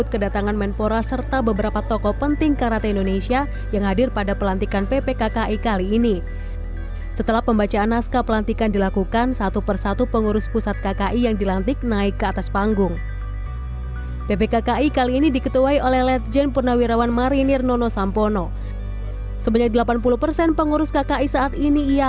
ketua dewan pembina pengurus pusat husin ryu m karatedo indonesia atau kki